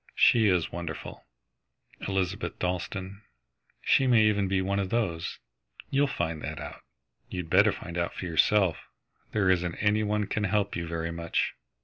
She is wonderful, Elizabeth Dalstan. She may even be one of those. You'll find that out. You'd better find out for yourself. There isn't any one can help you very much."